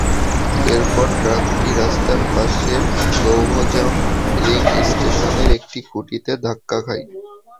এরপর ট্রাকটি রাস্তার পাশের লৌহজং ফিলিং স্টেশনের একটি খুঁটিতে ধাক্কা খায়।